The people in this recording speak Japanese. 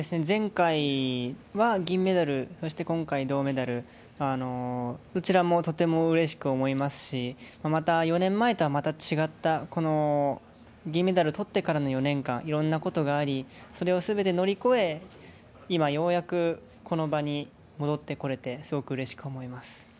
前回は銀メダルそして今回銅メダルどちらもとてもうれしく思いますしまた４年前とはまた違ったこの銀メダル取ってからの４年間いろんなことがありそれをすべて乗り越え今ようやくこの場に戻ってこれてすごくうれしく思います。